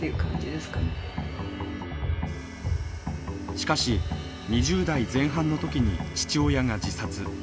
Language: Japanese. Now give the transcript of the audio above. しかし２０代前半のときに父親が自殺。